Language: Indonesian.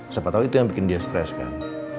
siapa tahu itu yang bikin dia stres kan